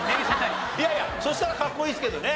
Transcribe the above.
いやいやそしたらかっこいいですけどね。